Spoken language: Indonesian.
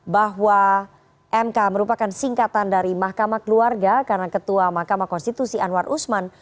bahwa mk merupakan singkatan dari mahkamah keluarga karena ketua mahkamah konstitusi anwar usman